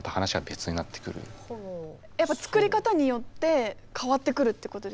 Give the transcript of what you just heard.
やっぱ作り方によって変わってくるってことですか？